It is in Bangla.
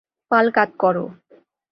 পাল কাত করো।